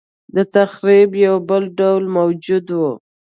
دتخریب یو بل ډول موجود و.